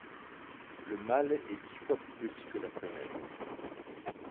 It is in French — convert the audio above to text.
Le mâle est dix fois plus petit que la femelle.